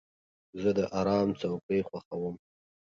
زه د آرام څوکۍ خوښوم.